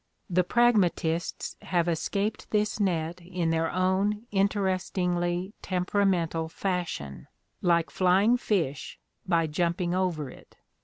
The pragmatists have escaped this net in their own interestingly temperamental fashion, like flying fish, by jumping over it.